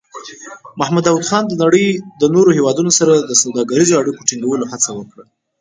محمد داؤد خان د نړۍ نورو هېوادونو سره سوداګریزو اړیکو ټینګولو هڅه وکړه.